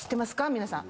皆さん。